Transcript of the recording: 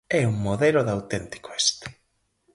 É un modelo de auténtico éxito.